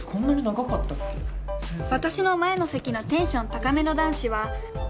私の前の席のテンション高めの男子は。